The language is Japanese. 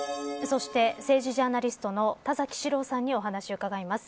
そして、政治ジャーナリストの田崎史郎さんにお話を伺います。